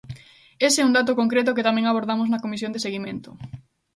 Ese é un dato concreto que tamén abordamos na Comisión de seguimento.